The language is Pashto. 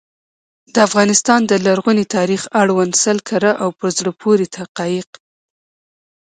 د افغانستان د لرغوني تاریخ اړوند سل کره او په زړه پوري حقایق.